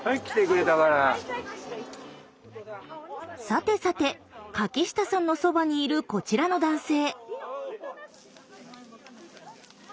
さてさて柿下さんのそばにいるこちらの男性。